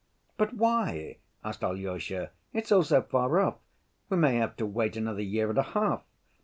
"But why?" asked Alyosha. "It's all so far off. We may have to wait another year and a half."